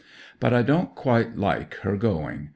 But I don't quite like her going.